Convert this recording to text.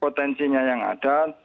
potensinya yang ada